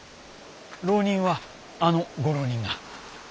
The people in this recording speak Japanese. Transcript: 浪人はあのご浪人が。